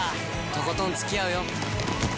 とことんつきあうよ！